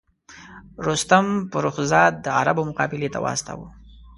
رستم فرُخ زاد د عربو مقابلې ته واستاوه.